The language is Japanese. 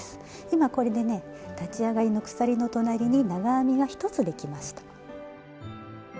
今これでね立ち上がりの鎖の隣に長編みが１つできました。